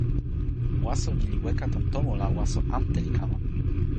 waso ni li weka tan tomo la waso ante li kama.